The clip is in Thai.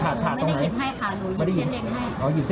แล้วเรายิบซู่่เส้นใหญ่นี่คือน้ำหนักเท่าไหร่